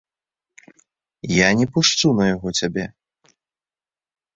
Я не пушчу на яго цябе!